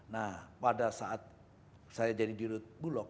nah pada saat saya jadi di rut bulog